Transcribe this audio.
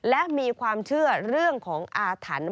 และมีความเชื่อเรื่องของอาถรรพ์